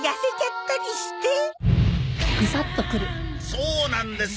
そうなんですよ。